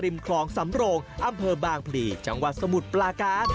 ริมครองศำโรงอำเภอบางภีร์จังหวัดสมุทรปราการ